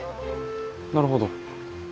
なるほど。